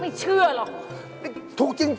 ไม่เชื่อหรอกครับถูกจริง